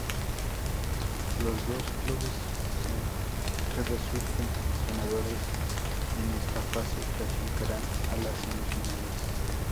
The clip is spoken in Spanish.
Los dos clubes que resulten ganadores en esta fase, clasificarán a las semifinales.